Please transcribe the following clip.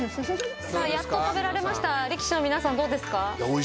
やっと食べられました力士の皆さんどうですか？